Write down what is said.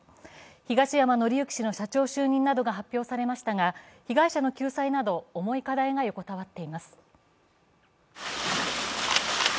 東山紀之氏の社長就任などが発表されましたが、被害者の救済など、重い課題が横たわっています。